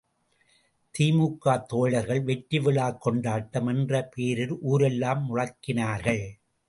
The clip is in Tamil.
தி.மு.க தோழர்கள் வெற்றி விழாக் கொண்டாட்டம் என்ற பேரில் ஊரெல்லாம் முழக்கினார்கள்.